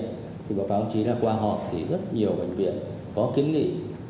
thì báo cáo ông chí là qua họp thì rất nhiều bệnh viện có kiến nghị